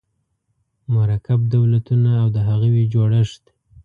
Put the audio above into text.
مرکب دولتونه او د هغوی جوړښت